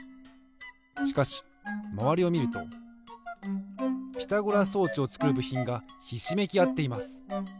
しかしまわりをみるとピタゴラ装置をつくるぶひんがひしめきあっています。